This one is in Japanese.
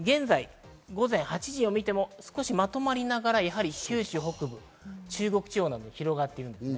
午前８時を見ても、少しまとまりながら終始北部、中国地方などに広がっています。